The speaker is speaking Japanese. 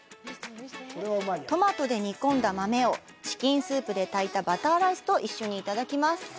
トマトで煮込んだ豆をチキンスープで炊いたバターライスと一緒にいただきます。